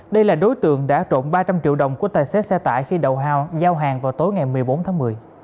đây là đối tượng đã trộn ba trăm linh triệu đồng của tài xế xe tải khi đầu hao giao hàng vào tối ngày một mươi bốn tháng một mươi